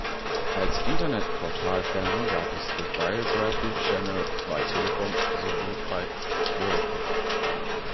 Als Internetportal-Fernsehen gab es "The Biography Channel" bei Telekom sowie bei Vodafone.